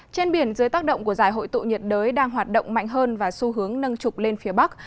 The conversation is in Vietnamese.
trên biển dưới tác động của giải hội tụ nhiệt đới đang hoạt động mạnh hơn và xu hướng nâng trục lên phía bắc